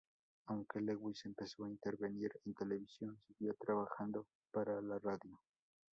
Aunque Lewis empezó a intervenir en televisión, siguió trabajando para la radio.